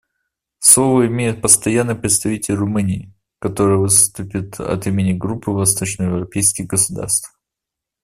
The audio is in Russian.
Слово имеет Постоянный представитель Румынии, которая выступит от имени Группы восточноевропейских государств.